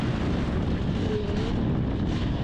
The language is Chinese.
孔布雷。